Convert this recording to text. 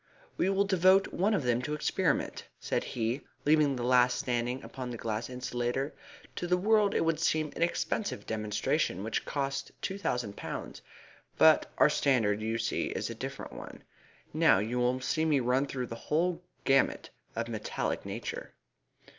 "We will devote one of them to experiment," said he, leaving the last standing upon the glass insulator. "To the world it would seem an expensive demonstration which cost two thousand pounds, but our standard, you see, is a different one. Now you will see me run through the whole gamut of metallic nature."